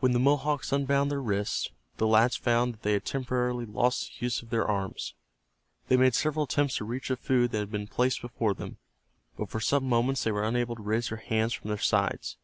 When the Mohawk unbound their wrists the lads found that they had temporarily lost the use of their arms. They made several attempts to reach the food that had been placed before them, but for some moments they were unable to raise their hands from their sides.